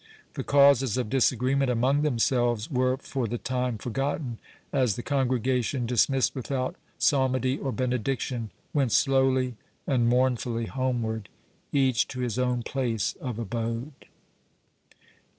The causes of disagreement among themselves were for the time forgotten, as the congregation, dismissed without psalmody or benediction, went slowly and mournfully homeward, each to his own place of abode.